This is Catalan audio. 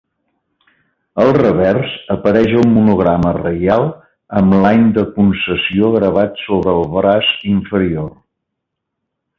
Al revers apareix el monograma reial amb l'any de concessió gravat sobre el braç inferior.